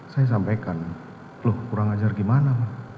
saya sampaikan loh kurang ajar gimana